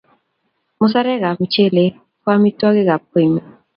musarekap mchelek ko amitwogikap koimen